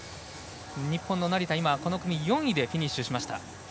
日本の成田はこの組４位でフィニッシュしました。